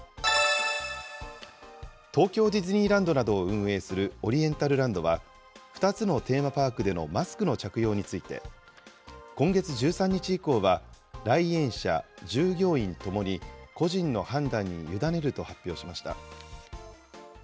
東京ディズニーランドなどを運営するオリエンタルランドは、２つのテーマパークでのマスクの着用について、今月１３日以降は、来園者、従業員ともに個人の判断に委ねると発表しました。